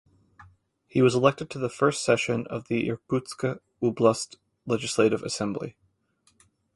He was elected to the first session of the Irkutsk Oblast legislative assembly.